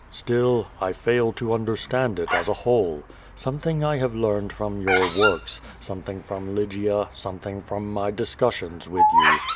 Still, I fail to understand it as a whole. Some thing I have learned from your works, something from Lygia, something from my discussions with you.